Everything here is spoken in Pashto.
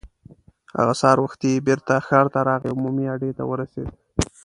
هغه سهار وختي بېرته ښار ته راغی او عمومي اډې ته ورسېد.